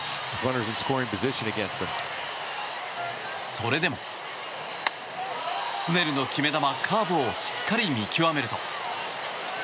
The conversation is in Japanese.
それでもスネルの決め球カーブをしっかり見極めると。